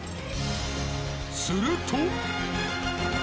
すると。